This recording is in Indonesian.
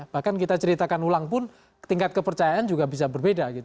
bahkan kita ceritakan ulang pun tingkat kepercayaan juga bisa berbeda gitu